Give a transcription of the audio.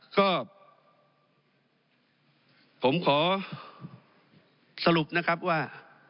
ก็ผมขอสรุปนะครับว่า